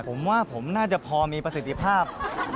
ผมว่าผมน่าจะพอมีประสิทธิภาพ